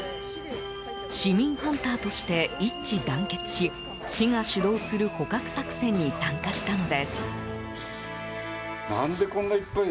市民ハンターとして一致団結し市が主導する捕獲作戦に参加したのです。